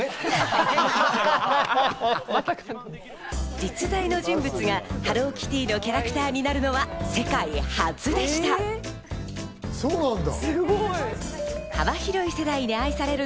実在の人物がハローキティのキャラクターになるのはそうなんだ。